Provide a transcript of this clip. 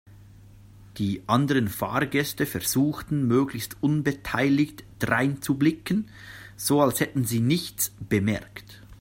Die anderen Fahrgäste versuchten möglichst unbeteiligt dreinzublicken, so als hätten sie nichts bemerkt.